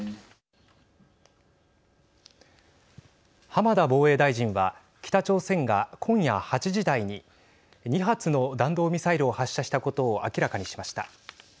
浜田防衛大臣は北朝鮮が今夜８時台に２発の弾道ミサイルを発射したことを明らかにしました。